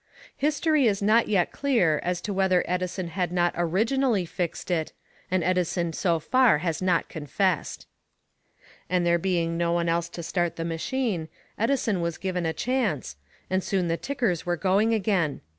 History is not yet clear as to whether Edison had not originally "fixed" it, and Edison so far has not confessed. And there being no one else to start the machine, Edison was given a chance, and soon the tickers were going again.